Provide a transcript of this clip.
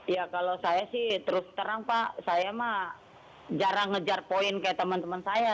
ya kalau saya sih terus terang pak saya mah jarang ngejar poin kayak teman teman saya